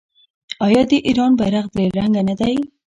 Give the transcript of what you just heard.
آیا د ایران بیرغ درې رنګه نه دی؟